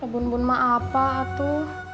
bun bun mah apa atu